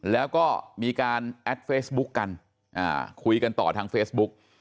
แล้วก็มีการแอดเฟซบุ๊กกันคุยกันต่อทางเฟซบุ๊ก